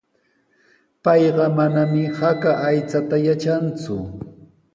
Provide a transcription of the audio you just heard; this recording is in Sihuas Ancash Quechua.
Payqa manami haka aychata yatranku.